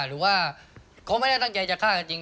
หรือว่าเขาไม่ได้ตั้งใจจะฆ่ากันจริง